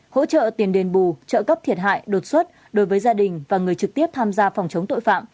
hỗ trợ tiền đền bù trợ cấp thiệt hại đột xuất đối với gia đình và người trực tiếp tham gia phòng chống tội phạm